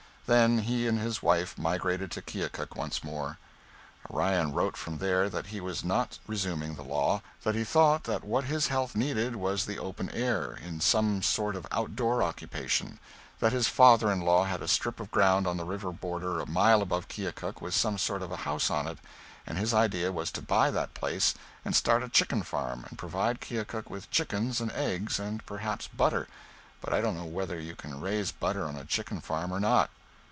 Then he and his wife migrated to Keokuk once more. Orion wrote from there that he was not resuming the law; that he thought that what his health needed was the open air, in some sort of outdoor occupation; that his father in law had a strip of ground on the river border a mile above Keokuk with some sort of a house on it, and his idea was to buy that place and start a chicken farm and provide Keokuk with chickens and eggs, and perhaps butter but I don't know whether you can raise butter on a chicken farm or not.